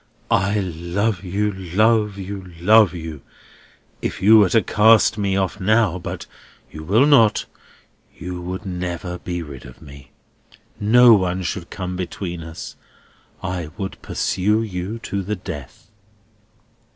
"I love you, love you, love you! If you were to cast me off now—but you will not—you would never be rid of me. No one should come between us. I would pursue you to the death."